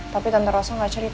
tapi tante rasa gak cerita